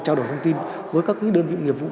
trao đổi thông tin với các đơn vị nghiệp vụ